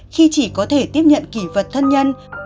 khi chỉ có thể tiếp nhận kỷ vật thân nhân